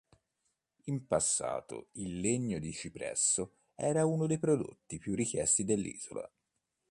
In passato il legno di cipresso era uno dei prodotti più richiesti dell'isola.